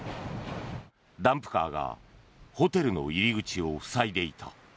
ダンプカーがホテルの入り口を塞いでいた。